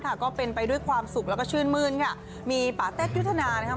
ก็เป็นไปด้วยความสุขแล้วก็ชื่นมื้นค่ะมีป่าเต็กยุทธนานะครับ